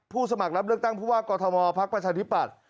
ผู้สมัครรับเริ่มตั้งผู้ว่ากฎธภักดิ์ประชาธิบัตร